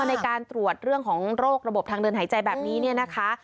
ในการตรวจเรื่องของโรคระบบทางเดินหายใจแบบนี้เนี่ยนะคะ